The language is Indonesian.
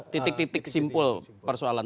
titik titik simpul persoalan